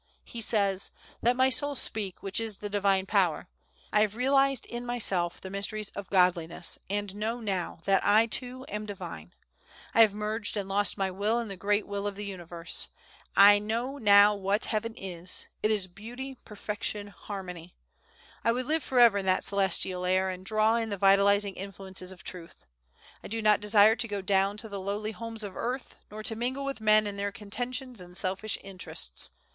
He says: "Let my soul speak, which is the Divine Power. I have realized in myself the mysteries of Godliness, and know now that I too am Divine. I have merged and lost my will in the Great Will of the universe. I know now what heaven is; it is beauty, perfection, harmony. I would live forever in that celestial air, and draw in the vitalizing influences of truth. I do not desire to go down to the lowly homes of earth, nor to mingle with men in their contentions and selfish interests.